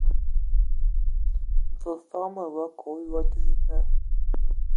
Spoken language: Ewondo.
Mfəfəg mod wa kə a oyoa dis da.